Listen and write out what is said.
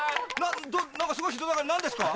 何かすごい人だかり何ですか？